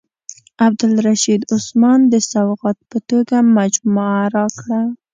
عبدالرشید عثمان د سوغات په توګه مجموعه راکړه.